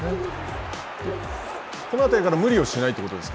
この辺りから無理をしないということですか。